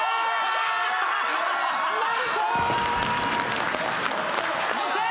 何と！